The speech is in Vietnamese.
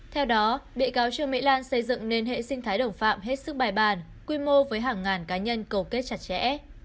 theo đó bị cáo trương mỹ lan xây dựng nên hệ sinh thái đồng phạm hết sức bài bản quy mô với hàng ngàn cá nhân cầu kết chặt chẽ